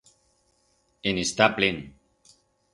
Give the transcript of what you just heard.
En está plen.